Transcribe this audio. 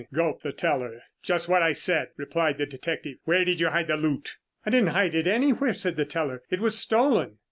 gulped the teller. "Just what I said," replied the detective. "Where did you hide the loot?" "I didn't hide it anywhere," said the teller. "It was stolen."